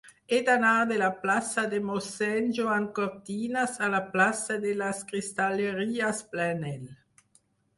He d'anar de la plaça de Mossèn Joan Cortinas a la plaça de les Cristalleries Planell.